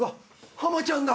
浜ちゃんだ！